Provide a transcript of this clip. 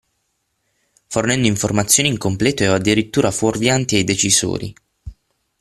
Fornendo informazioni incomplete o addirittura fuorvianti ai decisori.